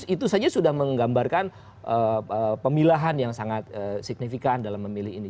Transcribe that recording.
itu saja sudah menggambarkan pemilahan yang sangat signifikan dalam memilih ini